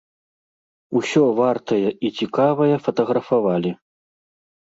Усё вартае і цікавае фатаграфавалі.